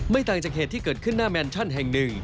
ต่างจากเหตุที่เกิดขึ้นหน้าแมนชั่นแห่งหนึ่ง